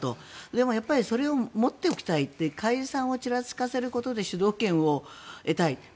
でも、それを持っておきたい解散をちらつかせることで主導権を得たい。